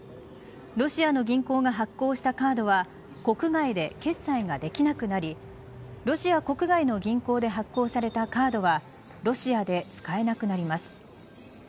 ロシアの銀行が発行したカードは国外で決済ができなくなりロシア国外の銀行で発行されたカードはロシアで使えなくなります。